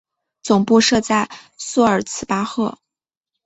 总部设在苏尔茨巴赫。